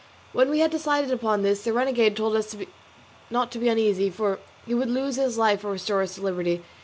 When we had decided upon this the renegade told us not to be uneasy, for he would lose his life or restore us to liberty.